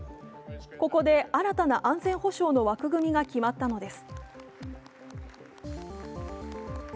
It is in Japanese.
ここで新たな安全保障の枠組みが決まったのです。